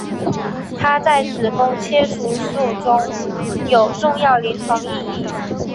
它在子宫切除术中有重要临床意义。